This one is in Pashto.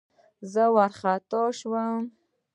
زه وارخطا شوم.